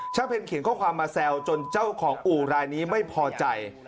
เพ็ญเขียนข้อความมาแซวจนเจ้าของอู่รายนี้ไม่พอใจ